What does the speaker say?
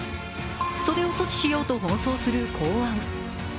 それを阻止しようと奔走する公安。